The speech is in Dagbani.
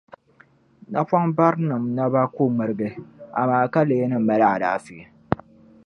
napɔmbarinim’ naba ku ŋmirigi, amaa ka lee ni malila alaafee.